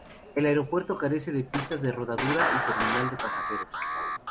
El aeropuerto carece de pistas de rodadura y terminal de pasajeros.